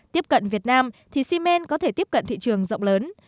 tiếp cận việt nam thì siemens có thể tiếp cận thị trường rộng lớn